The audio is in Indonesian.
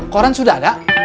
koran sudah ada